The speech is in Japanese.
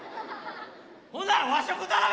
ほんなら和食頼め！